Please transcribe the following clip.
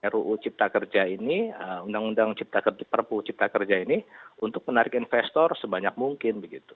ruu cipta kerja ini undang undang perpu cipta kerja ini untuk menarik investor sebanyak mungkin